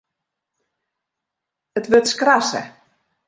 It wurd skrasse.